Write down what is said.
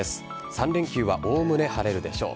３連休はおおむね晴れるでしょう。